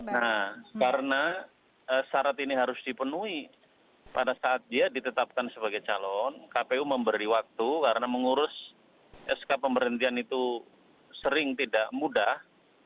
nah karena syarat ini harus dipenuhi pada saat dia ditetapkan sebagai calon kpu memberi waktu karena mengurus sk pemberhentian itu sering tidak mudah